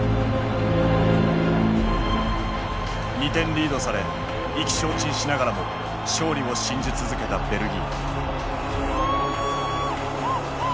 ２点リードされ意気消沈しながらも勝利を信じ続けたベルギー。